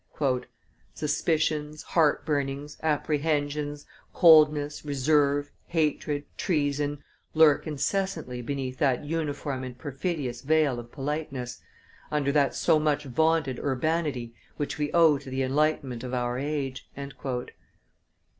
"Suspicions, heart burnings, apprehensions, coldness, reserve, hatred, treason, lurk incessantly beneath that uniform and perfidious veil of politeness, under that so much vaunted urbanity which we owe to the enlightenment of our age."